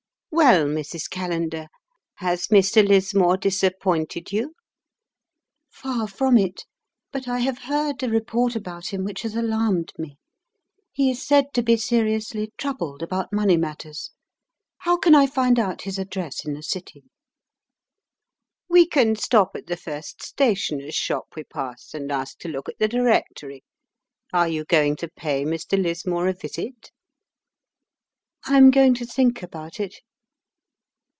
"Well, Mrs. Callender, has Mr. Lismore disappointed you?" "Far from it! But I have heard a report about him which has alarmed me: he is said to be seriously troubled about money matters. How can I find out his address in the City?" "We can stop at the first stationer's shop we pass, and ask to look at the directory. Are you going to pay Mr. Lismore a visit?" "I am going to think about it."